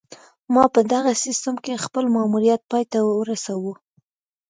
ما په دغه سیستم کې خپل ماموریت پای ته ورسوو